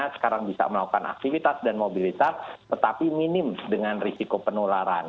sekarang bisa melakukan aktivitas dan mobilitas tetapi minim dengan risiko penularan